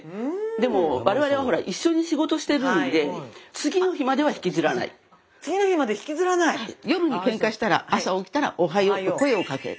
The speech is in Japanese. でも我々はほら一緒に仕事してるんで夜にケンカしたら朝起きたら「おはよう」って声をかける。